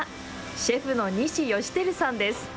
シェフの西芳照さんです。